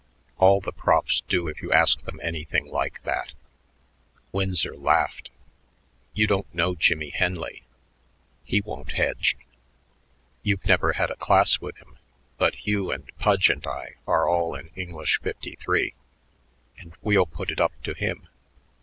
"All the profs do if you ask them anything like that." Winsor laughed. "You don't know Jimmie Henley. He won't hedge. You've never had a class with him, but Hugh and Pudge and I are all in English Fifty three, and we'll put it up to him.